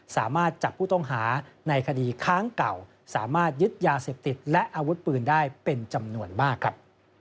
สามารถจับผู้ต้องหาในคดีค้างเก่าสามารถยึดยาเสพติดและอาวุธปืนได้เป็นจำนวนมากครับ